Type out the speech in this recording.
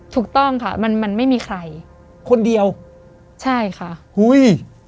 ถูกต้องค่ะมันมันไม่มีใครคนเดียวใช่ค่ะอุ้ย